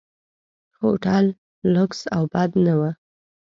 هوټل لکس او بد نه و.